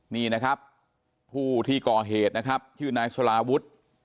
นี่นะครับผู้ที่ก่อเหตุนะครับชื่อนายสลาวุฒิ